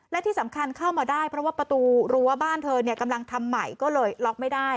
และที่สำคัญเข้ามาได้เพราะว่าประตูรั้วบ้านเธอกำลังทำใหม่ก็เลยล็อกไม่ได้